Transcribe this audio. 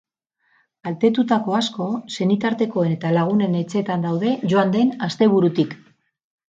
Kaltetutako asko senitartekoen eta lagunen etxeetan daude, joan den asteburutik.